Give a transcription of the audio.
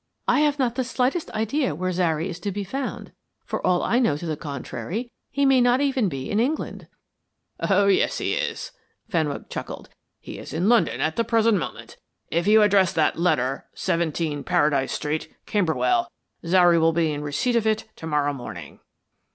"I have not the slightest idea where Zary is to be found. For all I know to the contrary, he may not even be in England." "Oh, yes, he is," Fenwick chuckled. "He is in London at the present moment. If you address that letter, 17, Paradise Street, Camberwell, Zary will be in receipt of it to morrow morning."